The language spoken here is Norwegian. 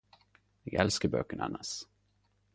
Eg elsker bøkene hennes.